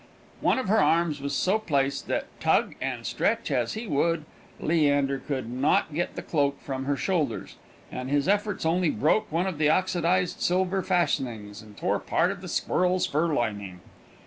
One of her arms was so placed that, tug and stretch as he would, Leander could not get the cloak from her shoulders, and his efforts only broke one of the oxidized silver fastenings, and tore part of the squirrel's fur lining.